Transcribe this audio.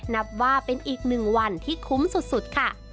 นับว่าเป็นอีกหนึ่งวันที่คุ้มสุดค่ะ